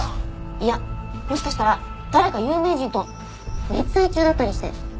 いやもしかしたら誰か有名人と熱愛中だったりして。